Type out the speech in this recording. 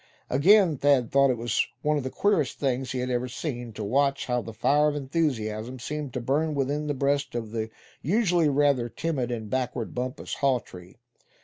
Again Thad thought it one of the queerest things he had ever seen, to watch how the fire of enthusiasm seemed to burn within the breast of the usually rather timid and backward Bumpus Hawtree.